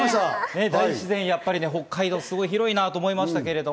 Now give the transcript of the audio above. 大自然、北海道はすごい広いなと思いました。